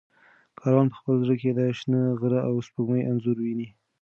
کاروان په خپل زړه کې د شنه غره او سپوږمۍ انځور ویني.